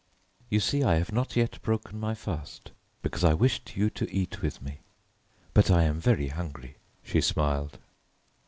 "You see I have not yet broken my fast because I wished you to eat with me. But I am very hungry," she smiled.